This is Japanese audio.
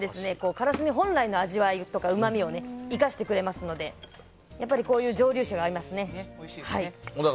からすみ本来の味わいとかうまみを生かしてくれますのでこういう蒸留酒が合いますね。